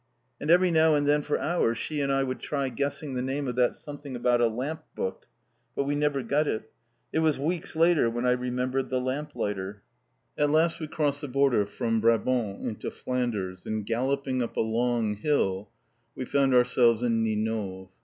And every now and then for hours she and I would try guessing the name of that something about a lamp book. But we never got it. It was weeks later when I remembered "The Lamplighter." At last we crossed the border from Brabant into Flanders, and galloping up a long hill we found ourselves in Ninove.